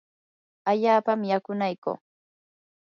allaapam yakunaykuu.